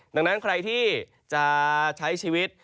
ดังนั้นใครที่จะใช้ชีวิต